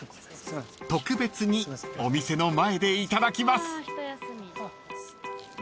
［特別にお店の前でいただきます］